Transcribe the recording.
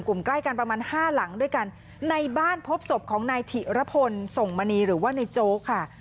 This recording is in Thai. ใกล้กันประมาณห้าหลังด้วยกันในบ้านพบศพของนายถิระพลส่งมณีหรือว่าในโจ๊กค่ะ